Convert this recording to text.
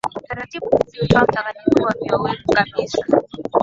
Taratibu hizi hutoa mchanganyiko wa vioevu kabisa